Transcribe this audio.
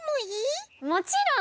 もちろん！